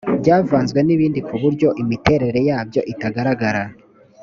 byavanzwe n’ibindi ku buryo imiterere yabyo itagaragara